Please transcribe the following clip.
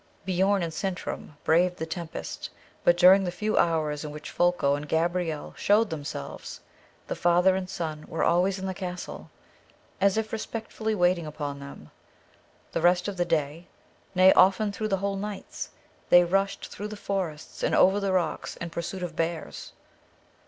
Biorn and Sintram braved the tempest; but during the few hours in which Folko and Gabrielle showed themselves, the father and son were always in the castle, as if respectfully waiting upon them; the rest of the day nay, often through whole nights, they rushed through the forests and over the rocks in pursuit of bears.